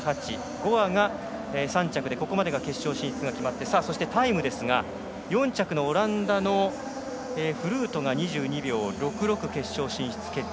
ゴア、３着でここまでが決勝進出が決まってタイムですが４着のオランダのフルートが２２秒６６で決勝進出決定。